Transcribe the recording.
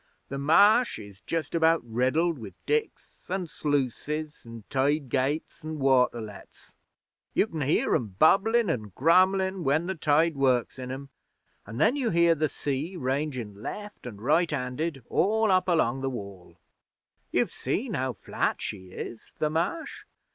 'The Marsh is justabout riddled with diks an' sluices, an' tide gates an' water lets. You can hear 'em bubblin' an' grummelin' when the tide works in 'em, an' then you hear the sea rangin' left and right handed all up along the Wall. You've seen how flat she is the Marsh?